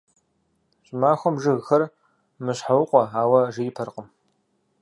ЩӀымахуэм жыгхэр «мэщхьэукъуэ», ауэ жеипэркъым.